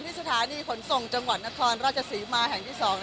สถานีขนส่งจังหวัดนครราชศรีมาแห่งที่๒